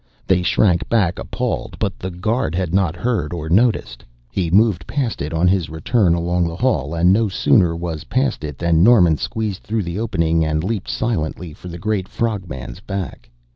They shrank back, appalled, but the guard had not heard or noticed. He moved past it on his return along the hall, and no sooner was past it than Norman squeezed through the opening and leaped silently for the great frog man's back.